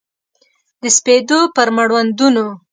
د سپېدو پر مړوندونو